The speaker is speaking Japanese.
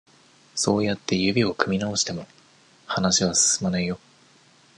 そうやって指を組み直しても、話は進まないよ。